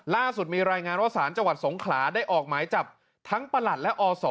ล่าสุดมีรายงานว่าสารจังหวัดสงขลาได้ออกหมายจับทั้งประหลัดและอศ